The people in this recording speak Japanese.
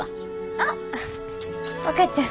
あっお母ちゃん。